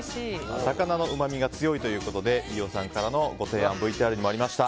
魚のうまみが強いということで飯尾さんからのご提案ＶＴＲにもありました